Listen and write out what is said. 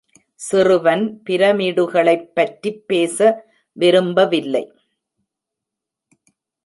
சிறுவன் பிரமிடுகளைப் பற்றி பேச விரும்பவில்லை.